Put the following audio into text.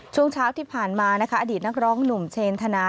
ช่วงเช้าที่ผ่านมานะคะอดีตนักร้องหนุ่มเชนธนา